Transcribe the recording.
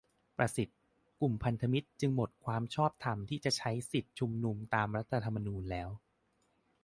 ประสิทธิ์ :"กลุ่มพันธมิตรจึงหมดความชอบธรรมที่จะใช้สิทธิชุมนุมตามรัฐธรรมนูญแล้ว"